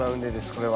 これは。